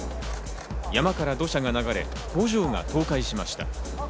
山から土砂が流れ、工場が倒壊しました。